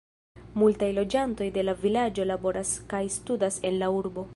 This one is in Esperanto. Multaj loĝantoj de la vilaĝo laboras kaj studas en la urbo.